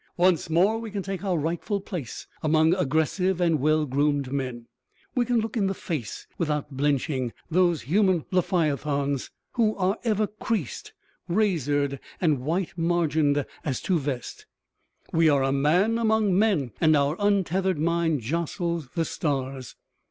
Once more we can take our rightful place among aggressive and well groomed men; we can look in the face without blenching those human leviathans who are ever creased, razored, and white margined as to vest. We are a man among men and our untethered mind jostles the stars.